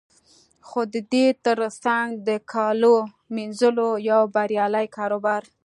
خو د دې تر څنګ د کالو مینځلو یو بریالی کاروبار